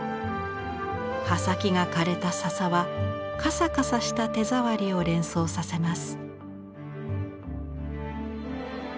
葉先が枯れた笹はカサカサした手ざわりを連想させます。